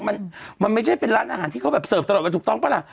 มันมันไม่ใช่เป็นร้านอาหารที่เขาแบบเสิร์ฟตลอดไปถูกต้องปะล่ะ